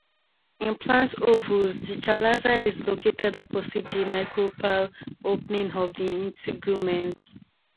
In plant ovules, the chalaza is located opposite the micropyle opening of the integuments.